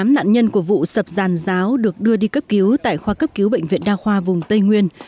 tám nạn nhân của vụ sập giàn giáo được đưa đi cấp cứu tại khoa cấp cứu bệnh viện đa khoa vùng tây nguyên